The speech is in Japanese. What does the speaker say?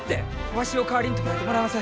わしを代わりに捕らえてもらいます。